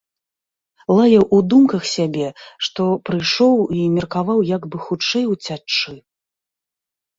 Лаяў у думках сябе, што прыйшоў, і меркаваў, як бы хутчэй уцячы.